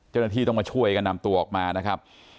จุฬณธีต้องมาช่วยกันนำตัวออกมานะครับ